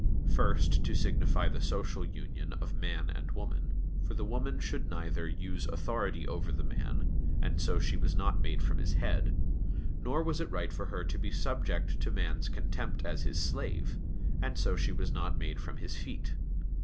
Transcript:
First, to signify the social union of man and woman, for the woman should neither "use authority over man," and so she was not made from his head; nor was it right for her to be subject to man's contempt as his slave, and so she was not made from his feet.